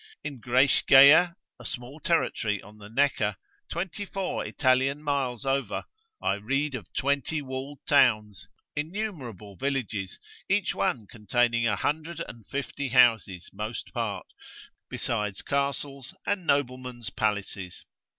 In Greichgea, a small territory on the Necker, 24 Italian miles over, I read of 20 walled towns, innumerable villages, each one containing 150 houses most part, besides castles and noblemen's palaces.